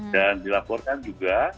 dan dilaporkan juga